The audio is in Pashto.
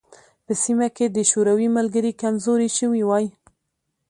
په سیمه کې د شوروي ملګري کمزوري شوي وای.